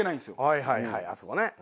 はいはいはいあそこね。